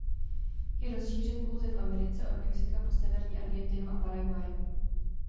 Je rozšířen pouze v Americe od Mexika po severní Argentinu a Paraguay.